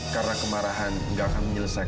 karena kemarahan gak akan menyelesaikanmu